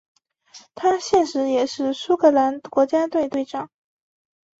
他现时也是苏格兰国家队队长。